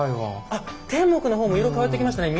あっ天目の方も色変わってきましたね。